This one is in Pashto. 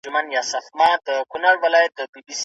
ښه دوست په سخت وخت کي معلومېږي